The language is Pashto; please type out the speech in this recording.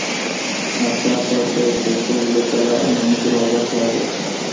ناڅاپه د قيتول د کلا عمومي دروازه خلاصه شوه.